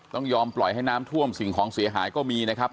ต้องยอมปล่อยให้น้ำท่วมสิ่งของเสียหายก็มีนะครับ